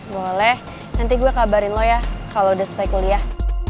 boleh nanti gue kabarin lo ya kalau udah selesai kuliah